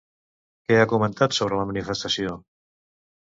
Què ha comentat sobre la manifestació?